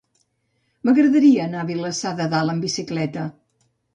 M'agradaria anar a Vilassar de Dalt amb bicicleta.